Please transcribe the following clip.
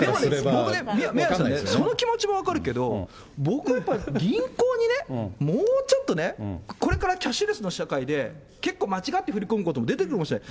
僕ね、その気持ちも分かるけど、僕やっぱり、銀行にね、もうちょっとね、これからキャッシュレスの社会で、結構、間違って振り込むことも出てくるかもしれない。